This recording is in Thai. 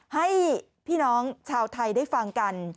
ให้พี่น้องชาวไทยได้ฟังกัน